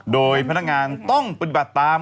โดยพนักงานต้องปฏิบัติตาม